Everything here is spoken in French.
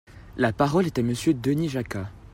La parole est à Monsieur Denis Jacquat.